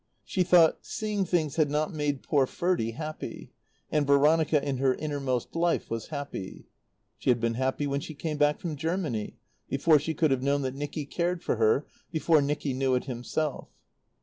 She thought: Seeing things had not made poor Ferdie happy; and Veronica in her innermost life was happy. She had been happy when she came back from Germany, before she could have known that Nicky cared for her, before Nicky knew it himself.